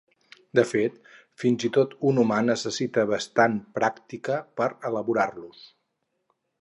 De fet, fins i tot un humà necessita bastant pràctica per elaborar-los.